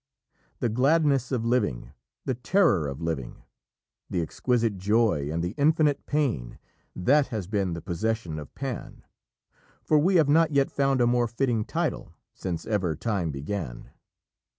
The gladness of living, the terror of living the exquisite joy and the infinite pain that has been the possession of Pan for we have not yet found a more fitting title since ever time began.